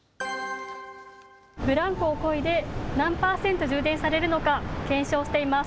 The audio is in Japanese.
ブランコをこいで、何％充電されるのか検証しています。